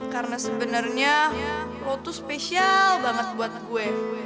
karena sebenernya lo tuh spesial banget buat gue